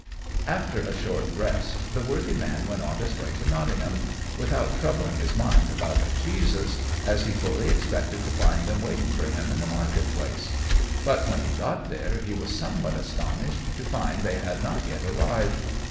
_] After a short rest the worthy man went on his way to Nottingham, without troubling his mind about the cheeses, as he fully expected to find them waiting for him in the market place; but when he got there he was somewhat astonished to find that they had not yet arrived.